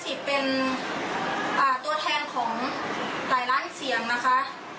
ที่เป็นตัวแทนของหลายล้านเสียงนะคะ